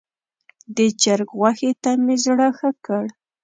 د چرګ غوښې ته مې زړه ښه کړ.